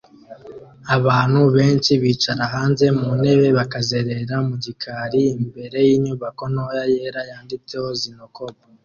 Abantu benshi bicara hanze mu ntebe bakazerera mu gikari imbere y’inyubako ntoya yera yanditseho 'Znocob'